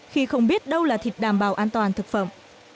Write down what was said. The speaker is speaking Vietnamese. khi không biết đâu là thịt đảm bảo an toàn thực phẩm